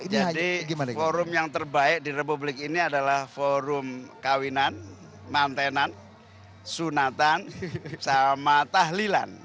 jadi forum yang terbaik di republik ini adalah forum kawinan mantenan sunatan sama tahlilan